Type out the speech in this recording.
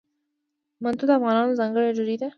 منتو د افغانانو ځانګړې ډوډۍ ده.